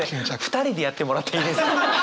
２人でやってもらっていいですか？